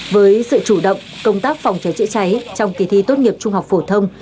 với sự chủ động công tác phòng cháy chữa cháy trong kỳ thi tốt nghiệp trung học phổ thông